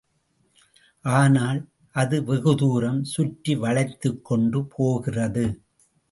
ஆனால் அது வெகுதூரம் சுற்றி வளைத்துக்கொண்டு போகிறது.